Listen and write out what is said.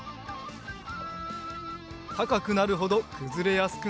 たかくなるほどくずれやすくなるぞ。